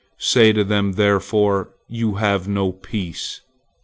Say to them therefore: You have no peace!"